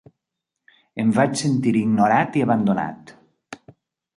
Em vaig sentir ignorat i abandonat.